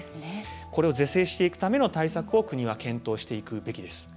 これを是正していくための対策を国は検討していくべきです。